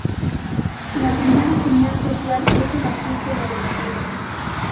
La primera señal social es el ajuste normativo.